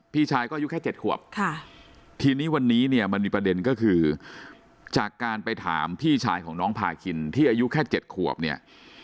พี่ชายก็อายุแค่๗ขวบทีนี้วันนี้เนี่ยมันมีประเด็นก็คือจากการไปถามพี่ชายของน้องพาคินที่อายุแค่๗ขวบเนี่ย